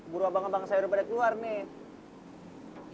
buru abang abang saya udah balik luar nih